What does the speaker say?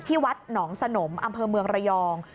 วัดหนองสนมอำเภอเมืองระยอง